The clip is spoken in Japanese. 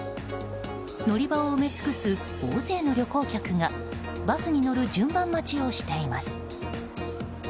乗り場を埋め尽くす大勢の旅行客がバスに乗る順番待ちをしています。